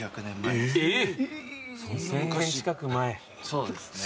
そうですね。